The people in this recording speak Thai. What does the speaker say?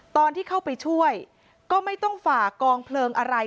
ตอนที่เข้าไปช่วยก็ไม่ต้องฝ่ากองเพลิงอะไร